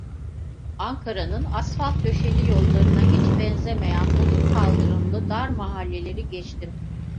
Ankara'nın asfalt döşeli yollarına hiç benzemeyen bozuk kaldırımlı dar mahalleleri geçtim.